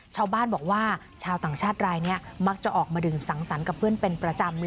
ชาวบ้านบอกว่าชาวต่างชาติรายนี้มักจะออกมาดื่มสังสรรค์กับเพื่อนเป็นประจำเลย